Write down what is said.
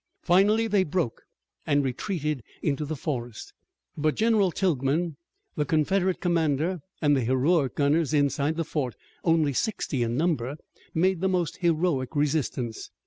Finally they broke and retreated into the forest. But General Tilghman, the Confederate commander, and the heroic gunners inside the fort, only sixty in number, made the most heroic resistance.